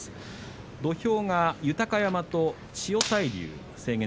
土俵は豊山と千代大龍です。